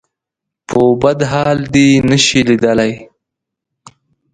په بد حال دې نه شي ليدلی.